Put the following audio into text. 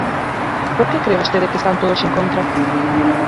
¿Por que cre vostede que están todos en contra?